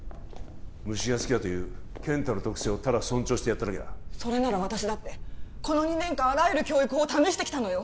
虫が好きだという健太の特性をただ尊重してやっただけだそれなら私だってこの２年間あらゆる教育を試してきたのよ